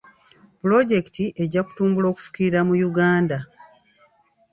Pulojekiti ejja kutumbula okufukirira mu Uganda.